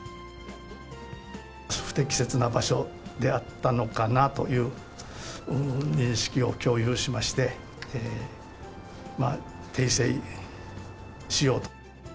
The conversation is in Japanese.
不適切な場所であったのかなという認識を共有しまして、訂正しようと。